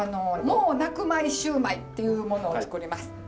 もう泣くまいシューマイっていうものを作ります。